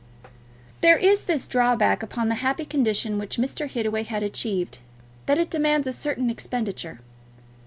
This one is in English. There is this drawback upon the happy condition which Mr. Hittaway had achieved, that it demands a certain expenditure.